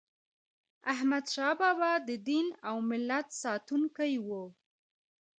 احمدشاه بابا د دین او ملت ساتونکی و.